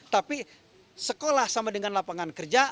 tapi sekolah sama dengan lapangan kerja